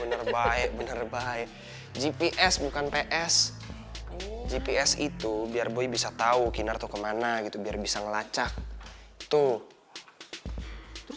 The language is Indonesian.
bener baik bener baik gps bukan ps gps itu biar buy bisa tahu kinar tuh kemana gitu biar bisa ngelacak tuh